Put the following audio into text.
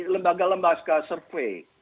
lembaga lembaga survey